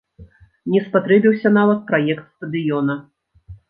Не спатрэбіўся нават праект стадыёна.